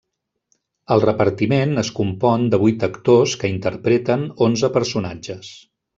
El repartiment es compon de vuit actors que interpreten onze personatges.